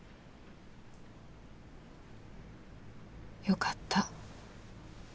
よかった。